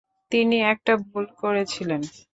তিনি একটা ভুল করেছিলেন।